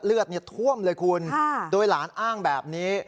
เลือดท่วมเลยคุณโดยหลานอ้างแบบนี้